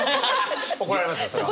怒られますよそれは。